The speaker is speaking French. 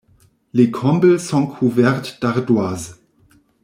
Les combles sont couvertes d'ardoises.